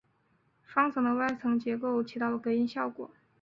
双层的外墙结构起到隔音的效果。